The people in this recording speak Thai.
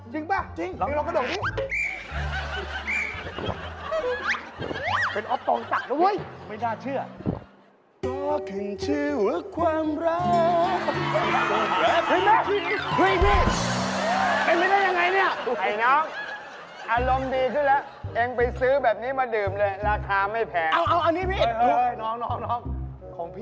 จริงป่ะลองกระดกดิ้ง